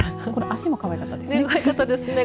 足もかわいかったですね。